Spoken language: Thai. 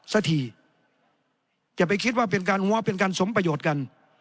สักทีอย่าไปคิดว่าเป็นการหัวเป็นการสมประโยชน์กัน